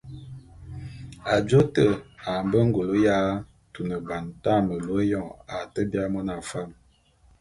Ajô te a mbe ngule ya tuneban tañe melu éyoñ a te biaé mona fam.